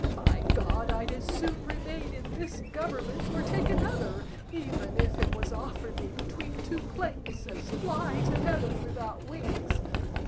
By God I'd as soon remain in this government, or take another, even if it was offered me between two plates, as fly to heaven without wings.